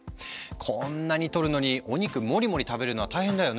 こんなにとるのにお肉モリモリ食べるのは大変だよね。